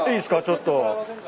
ちょっと。